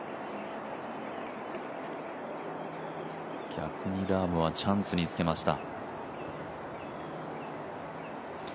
逆にラームはチャンスにつけました。